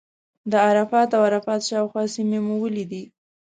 د عرفات او عرفات شاوخوا سیمې مو ولیدې.